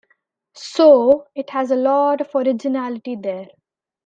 So, it has a lot of originality there.